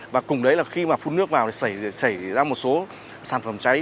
và cùng đấy là khi phun nước vào thì xảy ra một số sản phẩm trái